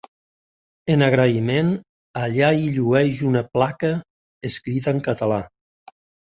En agraïment allà hi llueix una placa escrita en català.